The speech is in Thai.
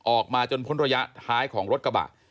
ออกมาจนพ้นระยะท้ายของรถกระบะ